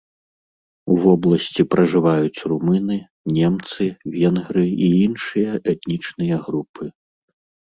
У вобласці пражываюць румыны, немцы, венгры і іншыя этнічныя групы.